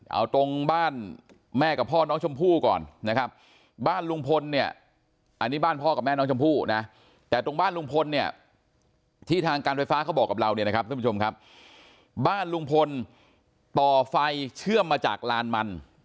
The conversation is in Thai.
เอาตรงบ้านแม่กับพ่อน้องชมพู่ก่อนนะครับบ้านลุงพลเนี่ยอันนี้บ้านพ่อกับแม่น้องชมพู่นะ